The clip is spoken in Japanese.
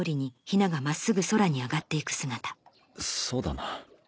そうだな。